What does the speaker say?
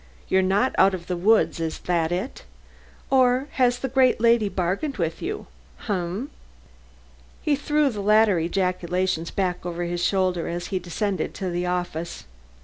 "You're not out of the woods, is that it? Or has the great lady bargained with you? Um? Um?" He threw the latter ejaculations back over his shoulder as he descended to the office.